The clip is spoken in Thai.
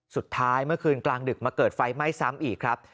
สุดท้ายเมื่อคืนกลางดึกมาเกิดไฟไหม้ซ้ำอีกครับ